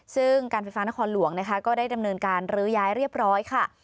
ซึ่งการไฟฟ้านครหลวงนะคะก็ได้ดำเนินการลื้อย้ายเรียบร้อยค่ะ